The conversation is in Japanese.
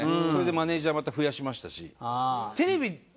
それでマネジャーまた増やしましたし。